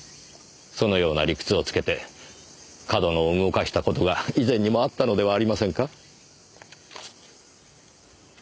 そのような理屈を付けて上遠野を動かした事が以前にもあったのではありませんか？